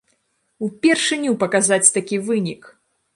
Упершыню паказаць такі вынік!